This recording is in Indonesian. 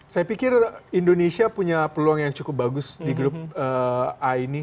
saya pikir indonesia punya peluang yang cukup bagus di grup a ini